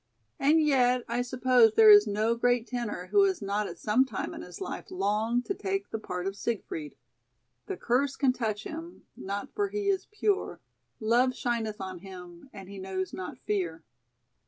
And yet I suppose there is no great tenor who has not at some time in his life longed to take the part of Siegfried, 'The curse can touch him not for he is pure, Love shineth on him and he knows not fear.'"